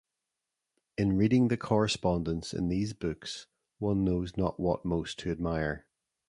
In reading the correspondence in these books one knows not what most to admire.